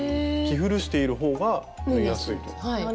着古しているほうが縫いやすいと？